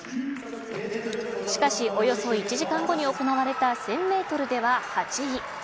しかし、およそ１時間後に行われた１０００メートルでは８位。